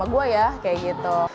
gue ya kayak gitu